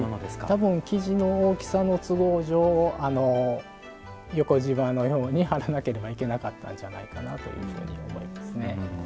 多分生地の大きさの都合上横じまのように貼らなければいけなかったんじゃないかなというふうに思いますね。